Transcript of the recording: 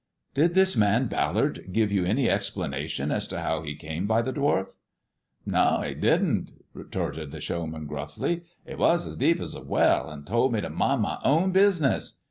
" Did this man Ballard give you any explanation as to how he came by the dwarf?" "No, he didn't," retorted the showman gruffly. "He was as deep as a well, and told me to mind my own business.